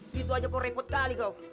tidak ada korepot kali kau